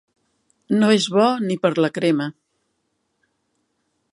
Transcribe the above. No és bo ni per a la crema.